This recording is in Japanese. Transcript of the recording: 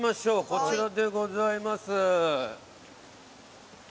こちらでございます。